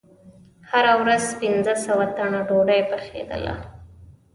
هره ورځ پنځه سوه تنه ډوډۍ پخېدله.